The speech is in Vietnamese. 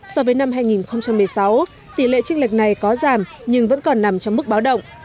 so với năm hai nghìn một mươi sáu tỷ lệ trích lệch này có giảm nhưng vẫn còn nằm trong mức báo động